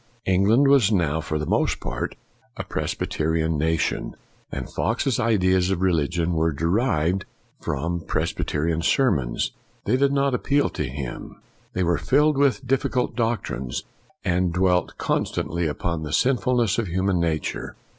England was now, for the most part, a Presbyterian nation, and Fox's ideas of religion were derived from Presbyterian sermons. They did not appeal to him. They were filled with difficult doctrines, and dwelt constantly upon the sinfulness of human nature.